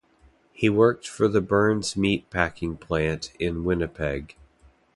He worked for the Burns meat packing plant in Winnipeg.